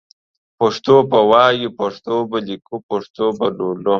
پښتو به وايو پښتو به ليکو پښتو به لولو